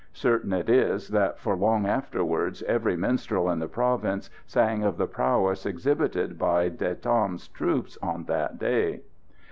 Certain it is that for long afterwards every minstrel in the province sang of the prowess exhibited by De Tam's troops on that day.